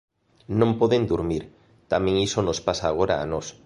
Non poden durmir: tamén iso nos pasa agora a nós.